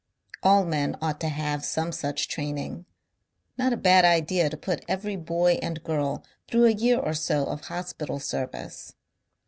All men ought to have some such training, Not a bad idea to put every boy and girl through a year or so of hospital service....